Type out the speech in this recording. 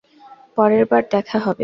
পরেরবার দেখা হবে।